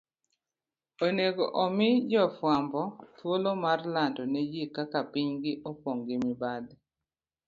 onego mi jofwambo thuolo mar lando ne ji kaka pinygi opong ' gi mibadhi.